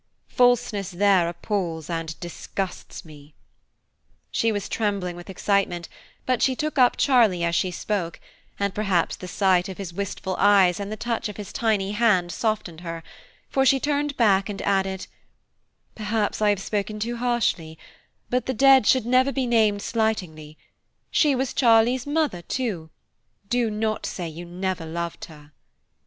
Falseness there appals and disgusts me." She was trembling with excitement, but she took up Charlie as she spoke, and perhaps the sight of his wistful eyes and the touch of his tiny hand softened her, for she turned back and added: "Perhaps I have spoken too harshly, but the dead should never be named slightingly; she was Charlie's mother, too–do not say you never loved her."